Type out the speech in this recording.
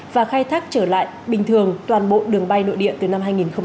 và khai thác trở lại bình thường toàn bộ đường bay nội địa từ năm hai nghìn hai mươi